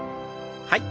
はい。